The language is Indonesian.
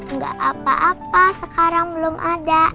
nggak apa apa sekarang belum ada